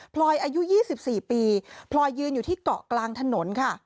ลอยอายุ๒๔ปีพลอยยืนอยู่ที่เกาะกลางถนนค่ะ